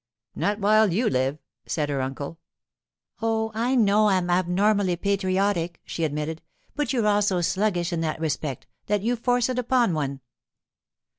'Not while you live,' said her uncle. 'Oh, I know I'm abnormally patriotic,' she admitted; 'but you're all so sluggish in that respect, that you force it upon one.